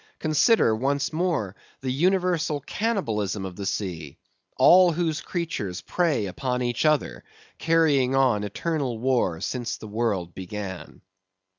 Consider, once more, the universal cannibalism of the sea; all whose creatures prey upon each other, carrying on eternal war since the world began.